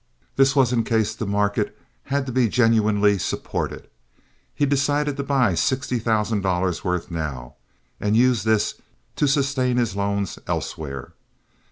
This was in case the market had to be genuinely supported. He decided to buy sixty thousand dollars worth now, and use this to sustain his loans elsewhere.